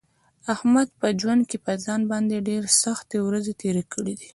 احمد په ژوند کې په ځان باندې ډېرې سختې ورځې تېرې کړې دي.